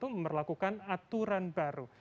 memperlakukan aturan baru